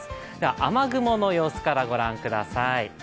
雨雲の様子からご覧ください。